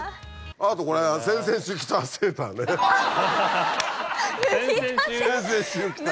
あとこれ先々週着たセーターね先々週着た。